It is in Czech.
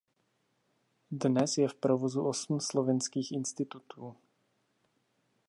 Dnes je v provozu osm Slovenských institutů.